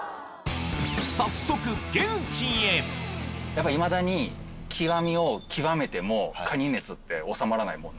やっぱりいまだに極を極めてもカニ熱って収まらないもん？